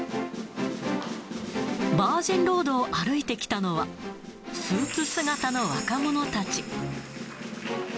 バージンロードを歩いてきたのは、スーツ姿の若者たち。